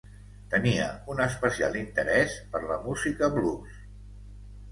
Tenia un especial interès per la música blues.